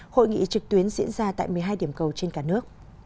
hội nghị trực tuyến diễn ra tại một mươi hai điểm cầu trên cả nước